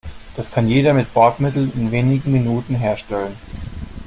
Das kann jeder mit Bordmitteln in wenigen Minuten herstellen.